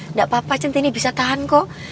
nggak papa cintinny bisa tahan kok